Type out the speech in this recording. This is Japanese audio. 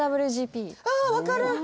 ああ分かる！